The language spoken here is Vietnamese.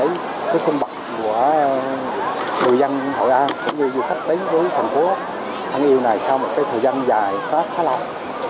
cảm xúc và cái khung bậc của người dân hội an cũng như du khách đến với thành phố thành yêu này sau một cái thời gian dài khá lâu